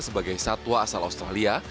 sebagai satwa asal australia